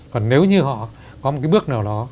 còn nếu như họ có một cái bước nào đó